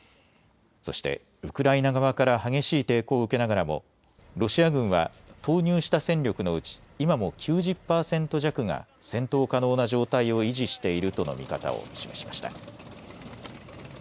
そして、ウクライナ側から激しい抵抗を受けながらもロシア軍は投入した戦力のうち今も９０％弱が戦闘可能な状態を維持しているとの見方を示しました。